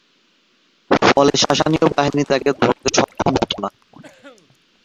ফলে সাসানীয় বাহিনী তাকে ধরতে সক্ষম হত না।